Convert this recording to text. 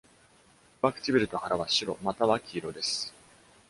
上唇と腹は白または黄色です。